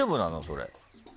それ。